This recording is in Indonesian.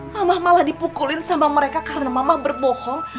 mama malah dipukulin sama mereka karena mama berbohong